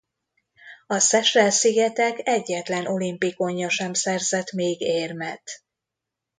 A Seychelle-szigetek egyetlen olimpikonja sem szerzett még érmet.